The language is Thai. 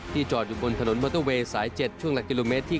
จอดอยู่บนถนนมอเตอร์เวย์สาย๗ช่วงหลักกิโลเมตรที่๒